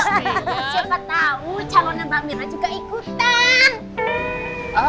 siapa tahu calonnya mbak mira juga ikutan